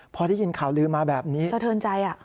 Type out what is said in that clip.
พอได้ยินข่าวลืมมาแบบนี้สะเทินใจ